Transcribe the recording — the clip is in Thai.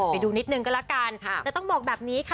ไปดูนิดนึงก็แล้วกันแต่ต้องบอกแบบนี้ค่ะ